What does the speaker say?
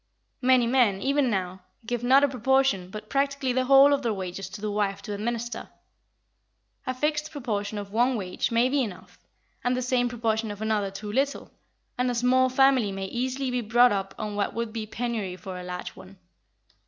Many men, even now, give not a proportion, but practically the whole of their wages to the wife to administer. A fixed proportion of one wage may be enough, and the same proportion of another too little, and a small family may easily be brought up on what would be penury for a large one.